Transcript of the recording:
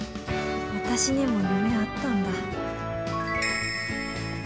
私にも夢あったんだ。